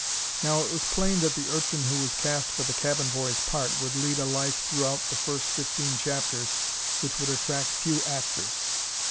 Now it was plain that the urchin who was cast for the cabin boy's part would lead a life throughout the first fifteen chapters which would attract few actors.